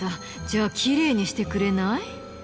じゃあきれいにしてくれない？